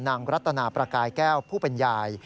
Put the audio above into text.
รัตนาประกายแก้วผู้เป็นยาย